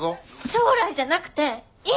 将来じゃなくて今！